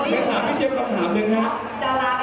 อยากถามพี่เจมส์คำถามหนึ่งครับ